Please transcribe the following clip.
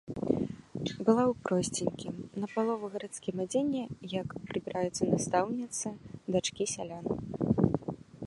Была ў просценькім, напалову гарадскім адзенні, як прыбіраюцца настаўніцы, дачкі сялян.